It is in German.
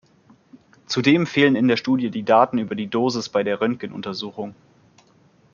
Zudem fehlen in der Studie die Daten über die Dosis bei der Röntgenuntersuchung.